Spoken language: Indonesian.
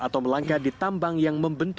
atau melangkah di tambang yang membentuk